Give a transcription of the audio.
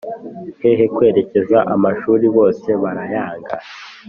hehe kwerekeza amashuri ,bose barayanga